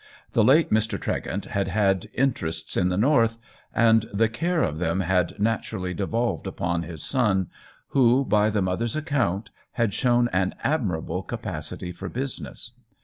The late Mr. Tregent had had "interests in the north," and the care of them had naturally devolved upon his son, 72 THE WHEEL OF TIME who, by the mother's account, had shown an admirable capacity for business.